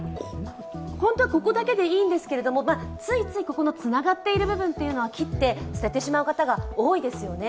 本当はここだけでいいんですけれども、ついついここのつながっている部分っていうのは切って捨ててしまう方が多いですよね。